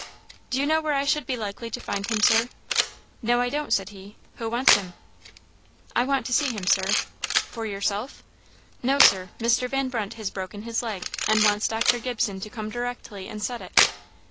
"Do you know where I should be likely to find him, Sir?" "No, I don't," said he; "who wants him?" "I want to see him, Sir." "For yourself?" "No, Sir; Mr. Van Brunt has broken his leg, and wants Dr. Gibson to come directly and set it."